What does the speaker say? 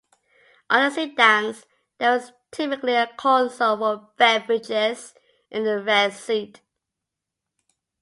On the sedans there was typically a console for beverages in the rear seat.